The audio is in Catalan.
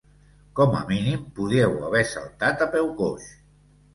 Com a mínim podíeu haver saltat a peu coix!